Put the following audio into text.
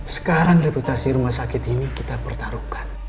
sekarang reputasi rumah sakit ini kita pertaruhkan